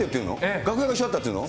楽屋が一緒だったっていうの？